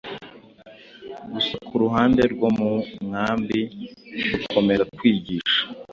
gusa ku ruhande rwo mu nkambi dukomeza kwigisha